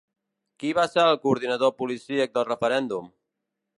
Qui va ser el coordinador policíac del referèndum?